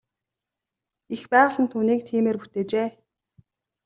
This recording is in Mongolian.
Эх байгаль нь түүнийг тиймээр бүтээжээ.